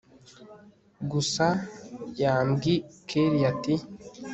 gusa yambwi kellia ati